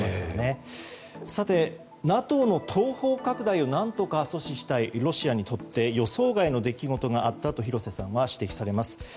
ＮＡＴＯの東方拡大を何とか阻止したいロシアにとって予想外の出来事があったと廣瀬さんは指摘されます。